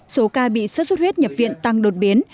số ca bị sốt xuất huyết nhập viện tăng đột biến